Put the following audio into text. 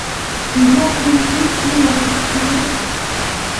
Kikiyochi kit ne mosikchinei .